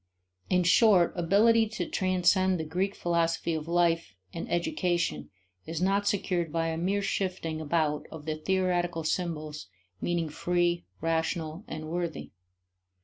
In short, ability to transcend the Greek philosophy of life and education is not secured by a mere shifting about of the theoretical symbols meaning free, rational, and worthy.